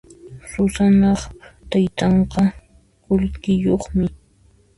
Susanaq taytanqa qullqiyuqmi.